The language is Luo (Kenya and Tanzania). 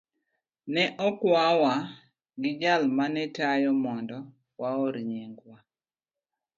Ne okwawa gi jal ma ne tayo mondo waor nyingwa.